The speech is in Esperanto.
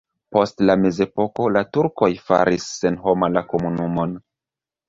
Post la mezepoko la turkoj faris senhoma la komunumon.